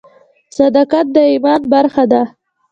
صداقت د ایمان نیمه برخه ده.